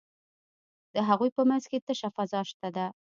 د هغوی په منځ کې تشه فضا شته ده.